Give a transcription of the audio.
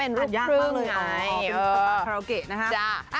เห็นไหมเขาเป็นภาษาคาราโกะนะครับ